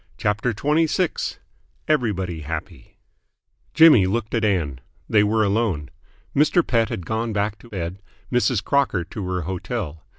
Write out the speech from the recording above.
CHAPTER XXVI EVERYBODY HAPPY Jimmy looked at Ann. They were alone. Mr. Pett had gone back to bed, Mrs. Crocker to her hotel.